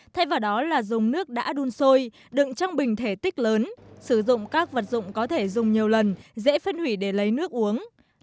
thay vào đó là dùng nước đã đun sôi đựng trong bình thể tích lớn sử dụng các vật dụng có thể dùng nhiều lần dễ phân hủy để lấy nước uống